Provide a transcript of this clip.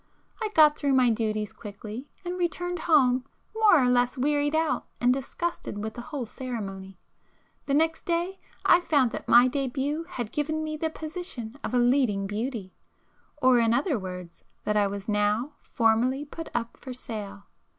I got through my duties quickly, and returned home more or less wearied out and disgusted with the whole ceremony,—and next day I found that my 'debût' had given me the position of a 'leading beauty'; or in other words that I was now formally put up for sale.